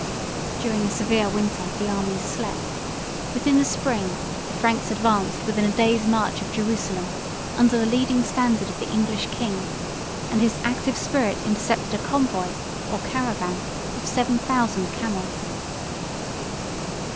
During a severe winter, the armies slept; but in the spring, the Franks advanced within a day's march of Jerusalem, under the leading standard of the English king; and his active spirit intercepted a convoy, or caravan, of seven thousand camels.